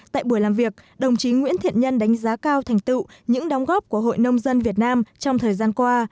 tại buổi làm việc đồng chí nguyễn thiện nhân đánh giá cao thành tựu những đóng góp của hội nông dân việt nam trong thời gian qua